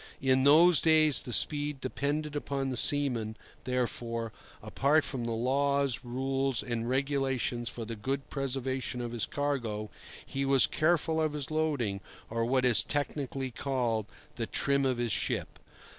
In those days the speed depended upon the seaman; therefore, apart from the laws, rules, and regulations for the good preservation of his cargo, he was careful of his loading,—or what is technically called the trim of his ship.